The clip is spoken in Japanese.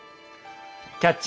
「キャッチ！